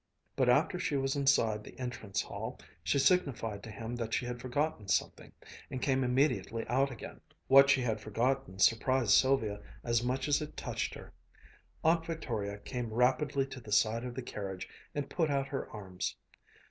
But after she was inside the entrance hall, she signified to him that she had forgotten something, and came immediately out again. What she had forgotten surprised Sylvia as much as it touched her. Aunt Victoria came rapidly to the side of the carriage and put out her arms.